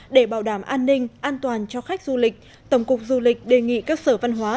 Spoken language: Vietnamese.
để bảo đảm an ninh an toàn cho khách du lịch tổng cục du lịch đề nghị các sở văn hóa